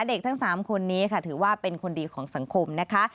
เด็กทั้ง๓คนนี้ค่ะถือว่าเป็นคนดีของสังคมนะคะ